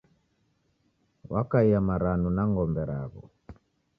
Wakaia maranu na ng'ombe raw'o.